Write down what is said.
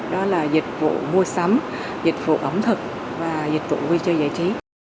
đó là dịch vụ mua sắm dịch vụ ẩm thực và dịch vụ vui chơi giải trí